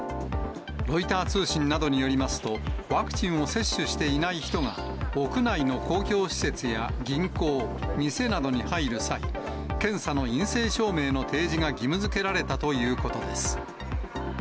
ロイター通信などによりますと、ワクチンを接種していない人が、屋内の公共施設や銀行、店などに入る際、検査の陰性証明の提示が義務づけられたということです。